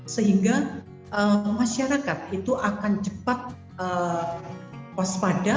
sehingga masyarakat itu akan cepat waspada